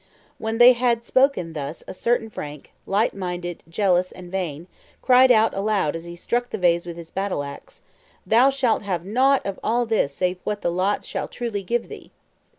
When they had thus spoken a certain Frank, light minded, jealous, and vain, cried out aloud as he struck the vase with his battle axe, "Thou shalt have nought of all this save what the lots shall truly give thee."